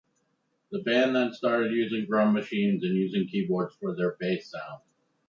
The band then started using drum machines and using keyboards for their bass sound.